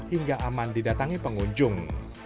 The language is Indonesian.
hingga aman didatangi pengunjung